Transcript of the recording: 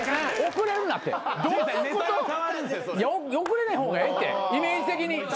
遅れない方がええってイメージ的に。